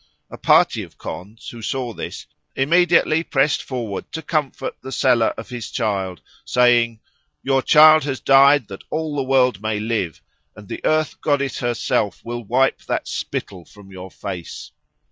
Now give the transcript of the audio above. A party of Khonds, who saw this, immediately pressed forward to comfort the seller of his child, saying, "Your child has died that all the world may live, and the Earth Goddess herself will wipe that spittle from your face."